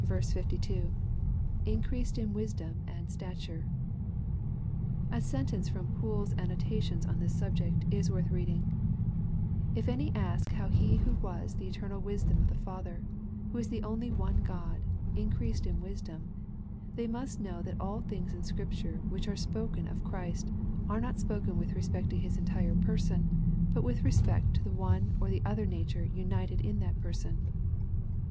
— [Increased in vnsdom and siaiureJ] A sentence from Poole's Annotations on this subject, is worth reading :" K any ask how He who was the eternal wisdom of the Father, who is the only one God, increased in wisdom, they must know that all things in Scripture which are spoken of Christ, are not spoken with respect to His entire Person, but with respect to the one or other nature united in that Person.